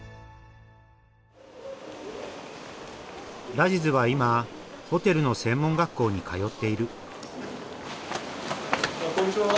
ラジズは今ホテルの専門学校に通っているこんにちは！